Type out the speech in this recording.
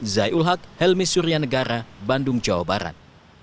zai ulhak helmi surya negara bandung jawa barat